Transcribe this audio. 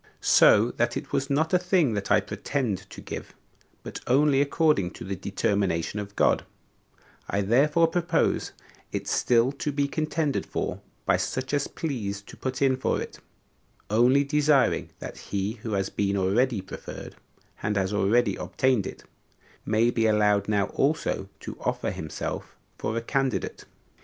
So that it was not a thing that I pretend to give, but only according to the determination of God; I therefore propose it still to be contended for by such as please to put in for it, only desiring that he who has been already preferred, and has already obtained it, may be allowed now also to offer himself for a candidate.